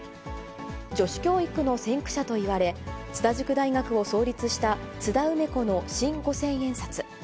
女子教育の先駆者と言われ、津田塾大学を創立した津田梅子の新五千円札。